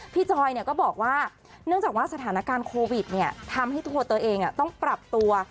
จอยก็บอกว่าเนื่องจากว่าสถานการณ์โควิดทำให้ตัวตัวเองต้องปรับตัว